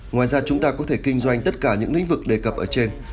ngoài ra chúng ta có thể kinh doanh tất cả những lĩnh vực đề cập ở trên